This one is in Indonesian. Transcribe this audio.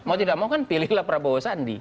mau tidak mau kan pilihlah prabowo sandi